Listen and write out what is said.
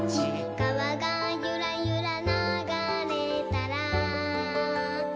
「かわがゆらゆらながれたら」